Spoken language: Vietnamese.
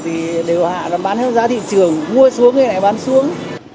thì đều hạ rồi bán hết giá thị trường mua xuống thì lại bán xuống